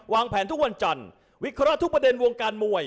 แผนทุกวันจันทร์วิเคราะห์ทุกประเด็นวงการมวย